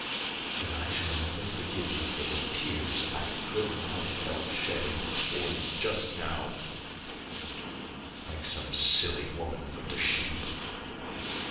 And I shall never forgive you for the tears I could not help shedding before you just now, like some silly woman put to shame!